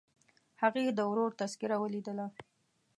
هغې د ورور تذکره ولیدله.